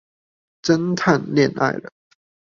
偵探戀愛了